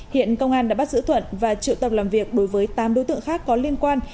hiện công an đã bắt giữ thuận và triệu tầm làm việc đối với tám đối tượng khác có liên quan